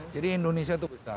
jadi indonesia itu besar